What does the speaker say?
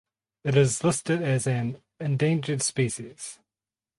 It is listed as an endangered species.